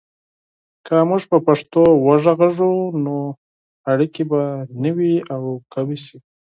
که موږ په پښتو وغږیږو، نو اړیکې به نوي او قوي سي.